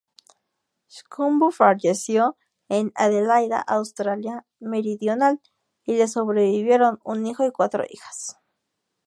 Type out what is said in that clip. Schomburgk falleció en Adelaida, Australia Meridional; y le sobrevivieron un hijo y cuatro hijas.